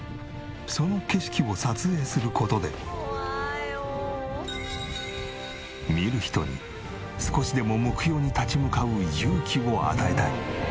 その景色を撮影する事で見る人に少しでも目標に立ち向かう勇気を与えたい。